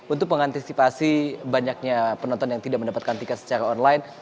untuk mengantisipasi banyaknya penonton yang tidak mendapatkan tiket secara online